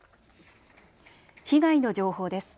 被害の情報です。